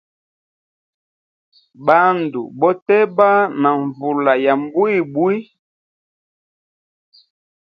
Bandu boteba na nvula ya mbwimbwi.